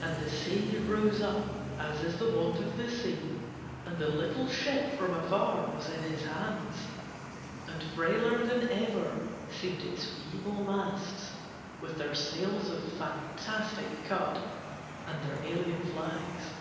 And the sea rose up as is the wont of the sea and the little ship from afar was in his hands, and frailer than ever seemed its feeble masts with their sails of fantastic cut and their alien flags.